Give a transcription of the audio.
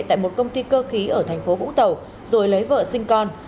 tại một công ty cơ khí ở thành phố vũng tàu rồi lấy vợ sinh con